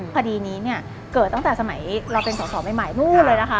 พอดีนี้เกิดตั้งแต่สมัยเราเป็นสอบใหม่นู้นเลยนะคะ